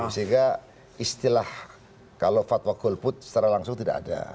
sehingga istilah kalau fatwa golput secara langsung tidak ada